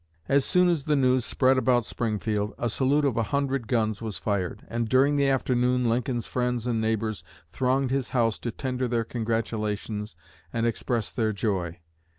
As soon as the news spread about Springfield a salute of a hundred guns was fired, and during the afternoon Lincoln's friends and neighbors thronged his house to tender their congratulations and express their joy.